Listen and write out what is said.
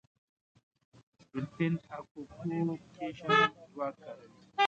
ډولفین اکولوکېشن ځواک کاروي.